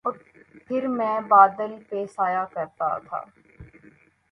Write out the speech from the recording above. اور پھر میں بادل پہ سایہ کرتا تھا